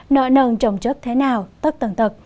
nợ nần trồng chất thế nào tất tần tật